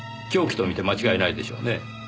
凶器と見て間違いないでしょうね。